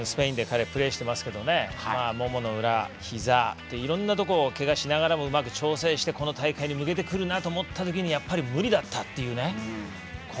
スペインでプレーしてますけどももの裏、ひざいろんなところをけがしながら調整してこの大会に向けてくるなと思った時にやっぱり無理だったという。